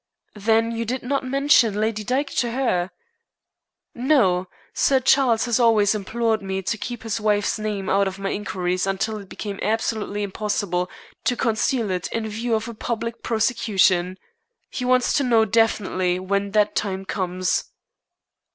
"Then you did not mention Lady Dyke to her?" "No. Sir Charles has always implored me to keep his wife's name out of my inquiries until it became absolutely impossible to conceal it in view of a public prosecution. He wants to know definitely when that time comes."